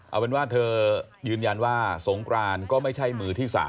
เอาเป็นว่าเธอยืนยันว่าสงกรานก็ไม่ใช่มือที่๓